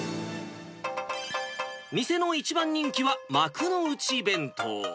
店の１番人気は、幕の内弁当。